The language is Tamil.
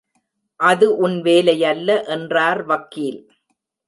அது உன் வேலையல்ல என்றார் வக்கீல்.